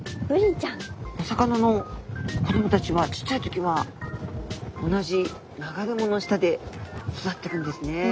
お魚の子どもたちはちっちゃい時は同じ流れ藻の下で育ってくんですね。